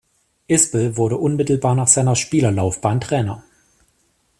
Isbell wurde unmittelbar nach seiner Spielerlaufbahn Trainer.